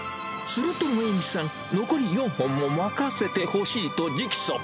すると、萌木さん、残り４本も任せてほしいと直訴。